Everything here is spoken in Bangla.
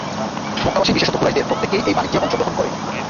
মক্কাবাসী বিশেষত কুরাইশদের প্রত্যেকেই এই বাণিজ্যে অংশগ্রহণ করে।